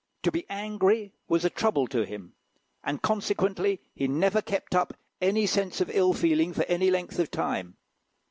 To be angry was a trouble to him, and consequently he never kept up a sense of ill feeling for any length of time.